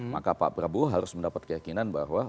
maka pak prabowo harus mendapat keyakinan bahwa